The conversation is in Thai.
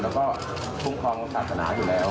แล้วก็คุ้มครองศาสนาอยู่แล้ว